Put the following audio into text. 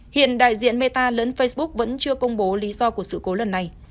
hiện đại diện meta lẫn facebook vẫn chưa công bố lý do của sự cố lần này